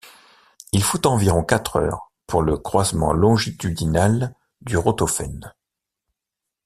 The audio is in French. Il faut environ quatre heures pour le croisement longitudinal du Rotofen.